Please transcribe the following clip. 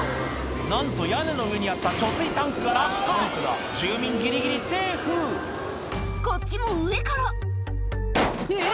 なんと屋根の上にあった貯水タンクが落下住民ギリギリセーフこっちも上からえぇ？